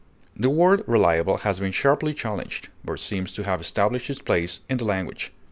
The word reliable has been sharply challenged, but seems to have established its place in the language.